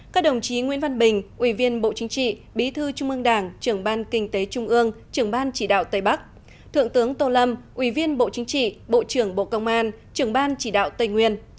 các đồng chí nguyễn văn bình ủy viên bộ chính trị bí thư trung ương đảng trưởng ban kinh tế trung ương trưởng ban chỉ đạo tây bắc thượng tướng tô lâm ủy viên bộ chính trị bộ trưởng bộ công an trưởng ban chỉ đạo tây nguyên